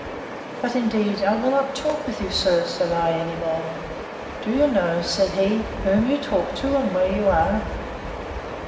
But, indeed, I will not talk with you, sir, said I, any more. Do you know, said he, whom you talk to, and where you are?